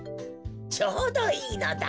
ちょうどいいのだ。